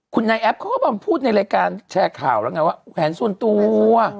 คุณแนบพี่แนบเขาก็บอกพูดในรายการแชร์ข่าวแล้วกันว่าแหวนส่วนตัว